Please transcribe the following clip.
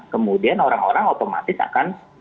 kemudian orang orang otomatis akan